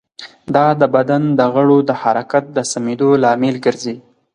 دا د بدن د غړو د حرکت د سمېدو لامل ګرځي.